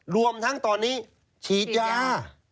รวมทั้งตอนนี้ฉีดยา